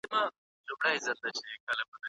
پرمختګ غواړو.